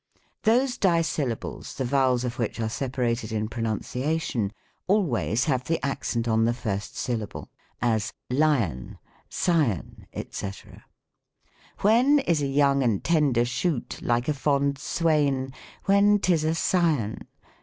'' Those dissyllables, the vowels of which are separat ed in pronunciation, always have the accent on the first syllable : as, lion, scion, 6z,c. When is a young and tender shoot Like a fond swain ? When 'tis a scion.